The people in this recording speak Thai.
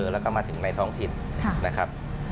แล้วก็มาถึงในท้องถิ่นนะครับ